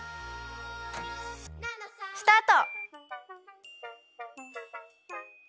スタート！